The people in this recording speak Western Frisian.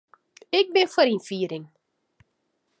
Ik bin foar ynfiering.